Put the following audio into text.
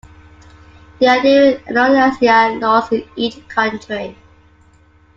There are different euthanasia laws in each country.